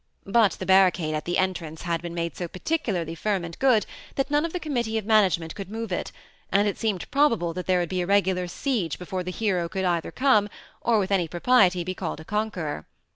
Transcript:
But the barricade at the entrance had been made so particularly firm and good, that none of the committee of management could move it, and it seemed probable that there would be a regular siege before the hero could either come, or with any propriety be called a conqueror.